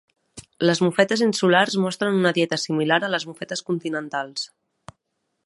Les mofetes insulars mostren una dieta similar a les mofetes continentals.